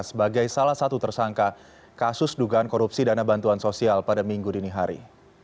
sebagai salah satu tersangka kasus dugaan korupsi dana bantuan sosial pada minggu dini hari